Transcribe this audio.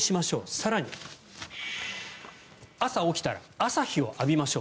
更に朝起きたら朝日を浴びましょう。